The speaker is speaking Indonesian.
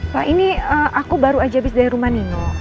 pak ini aku baru aja habis dari rumah nino